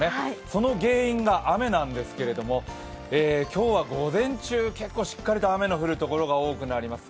その原因が雨なんですけど、今日は午前中、結構しっかり雨の降る所が多くなります。